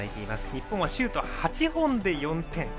日本はシュート８本で４点。